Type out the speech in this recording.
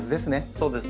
そうですね。